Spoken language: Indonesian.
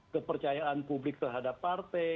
kepercayaan publik terhadap partai